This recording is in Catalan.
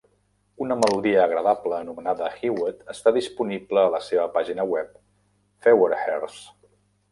Una melodia agradable anomenada "Hiwet" està disponible a la seva pàgina web "feuerherz".